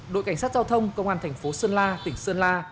đội cảnh sát giao thông công an thành phố xuân la tỉnh xuân la